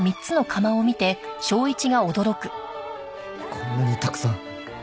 こんなにたくさん？